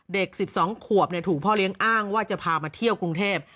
เด็ก๑๒ขวบถูกพ่อเลี้ยงอ้างว่าจะพามาเที่ยวกรุงเทพ